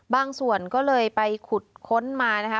ส่วนก็เลยไปขุดค้นมานะคะ